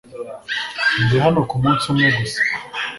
Ndi hano kumunsi umwe gusa .